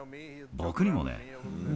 僕にもね。